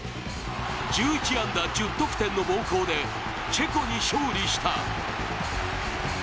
１１安打１０得点の猛攻でチェコに勝利した。